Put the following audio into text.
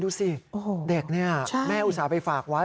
ดูสิเด็กนี่แม่อุตส่าห์ไปฝากไว้